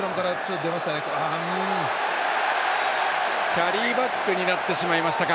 キャリーバックになってしまいましたか。